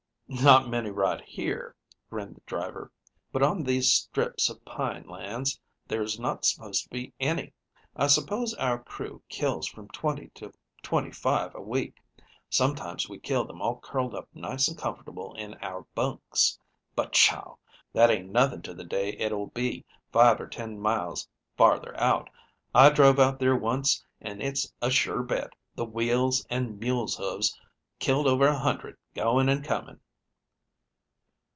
"Not many right here," grinned the driver, "but on these strips of pine lands there is not supposed to be any. I suppose our crew kills from twenty to twenty five a week. Sometimes we kill them all curled up nice and comfortable in our bunks. But, pshaw! that ain't nothing to the day it will be five or ten miles farther out. I drove out there once and it's a sure bet the wheels and mules' hoofs killed over a hundred going and coming."